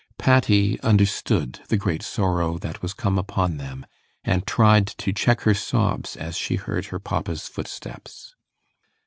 Patty understood the great sorrow that was come upon them, and tried to check her sobs as she heard her papa's footsteps.